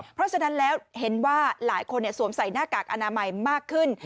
เพราะฉะนั้นแล้วเห็นว่าหลายคนสวมใส่หน้ากากอนามัยมากขึ้น